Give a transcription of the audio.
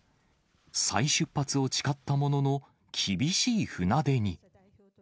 再出発を誓ったものの、厳しい船出に。